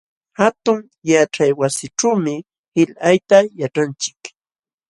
Hatun yaćhaywasićhuumi qillqayta yaćhanchik.